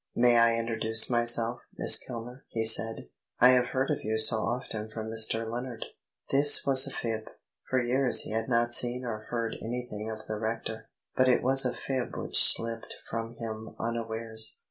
"May I introduce myself, Miss Kilner?" he said. "I have heard of you so often from Mr. Lennard." This was a fib. For years he had not seen or heard anything of the rector; but it was a fib which slipped from him unawares.